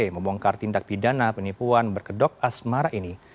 membongkar tindak pidana penipuan berkedok asmara ini